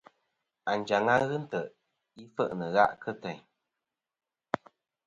Anjaŋ-a ghɨ nt̀' i fe'nɨ gha' kɨ teyn.